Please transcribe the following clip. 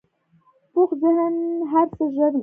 پوخ ذهن هر څه ژر نه منې